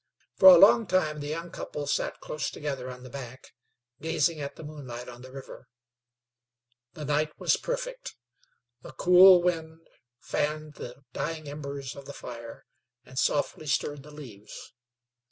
For a long time the young couple sat close together on the bank, gazing at the moonlight on the river. The night was perfect. A cool wind fanned the dying embers of the fire and softly stirred the leaves.